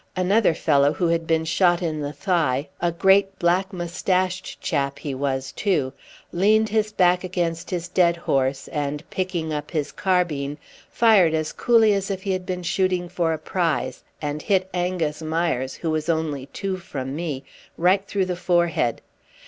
Another fellow who had been shot in the thigh a great black moustached chap he was too leaned his back against his dead horse and, picking up his carbine, fired as coolly as if he had been shooting for a prize, and hit Angus Myres, who was only two from me, right through the forehead.